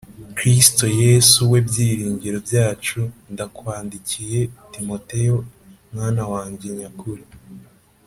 Kristo Yesu we byiringiro byacu d ndakwandikiye Timoteyo e mwana wanjye nyakuri f